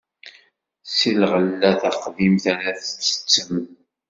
Si lɣella taqdimt ara tettettem.